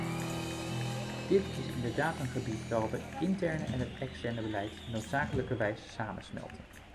Dit is inderdaad een gebied waarop het interne en het externe beleid noodzakelijkerwijs samensmelten.